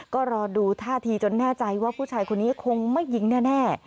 ก็รอดูท่าทีจนแน่ใจว่าผู้ชายคนนี้คงไม่ยิงแน่